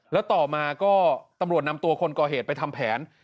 แล้วต่อมาก็ตำรวจนำตัวคนก่อเหตุไปทำแผน